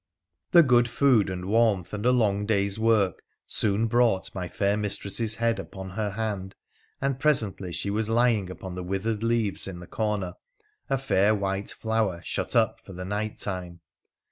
The good food and the warmth and a long day's work soon brought my fair mistress's head upon her hand, and presently she was lying upon the withered leaves in the corner, a fair white flower shut up for the night time.